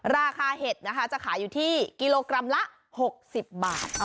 ราคาเห็ดนะคะจะขายอยู่ที่กิโลกรัมละหกสิบบาท